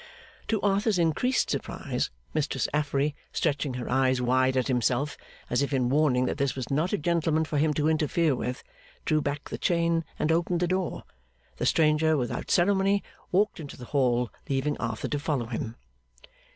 To Arthur's increased surprise, Mistress Affery, stretching her eyes wide at himself, as if in warning that this was not a gentleman for him to interfere with, drew back the chain, and opened the door. The stranger, without ceremony, walked into the hall, leaving Arthur to follow him.